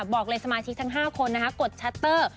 บอกเลยสมาชิกทั้ง๕คนกดชัตเตอร์